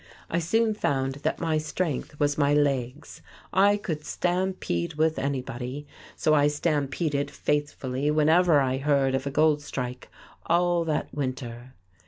I soon found that my strength was my legs. I could stampede with anybody. So I stampeded faithfully whenever I heard of a gold strike, all that winter."